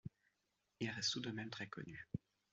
Il reste tout de même très connu.